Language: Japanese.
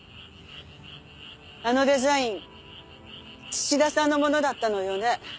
あのデザイン土田さんのものだったのよね。